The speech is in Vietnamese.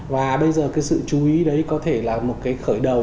và bây giờ cái sự chú ý đấy có thể là một cái khởi đầu